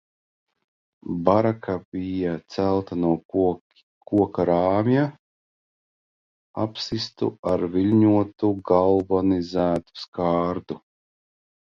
Baraka bija celta no koka rāmja, apsistu ar viļņotu, galvanizētu skārdu.